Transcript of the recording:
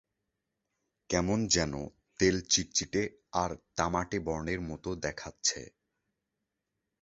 কেমন যেন তেল চিটচিটে আর তামাটে বর্ণের মত দেখাচ্ছে।